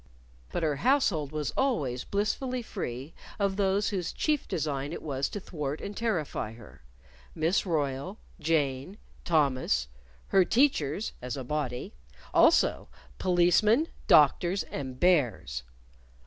But her household was always blissfully free of those whose chief design it was to thwart and terrify her Miss Royle, Jane, Thomas; her teachers [as a body]; also, Policemen, Doctors and Bears.